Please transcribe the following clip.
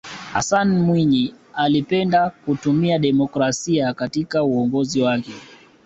hassan mwinyi alipenda kutumia demokrasia katika uongozi wake